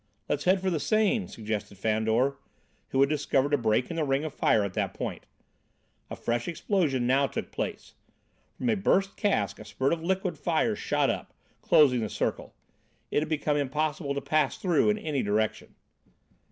"Let us head for the Seine," suggested Fandor, who had discovered a break in the ring of fire at that point. A fresh explosion now took place. From a burst cask a spurt of liquid fire shot up, closing the circle. It had become impossible to pass through in any direction.